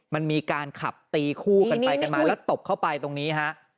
มันมีการขับตีคู่กันไปกันมาแล้วตบเข้าไปตรงนี้ฮะ